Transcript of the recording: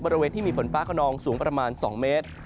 บริเวณที่มีฝนฟ้าขนองสูงประมาณ๒เมตร